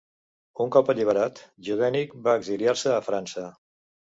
Un cop alliberat, Yudenich va exiliar-se a França.